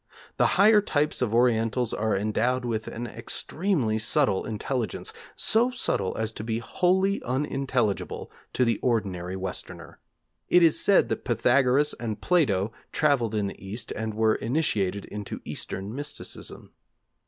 The higher types of Orientals are endowed with an extremely subtle intelligence, so subtle as to be wholly unintelligible to the ordinary Westerner. It is said that Pythagoras and Plato travelled in the East and were initiated into Eastern mysticism.